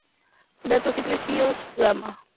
Datos y precios gama actualizada Mercedes Clase G Largo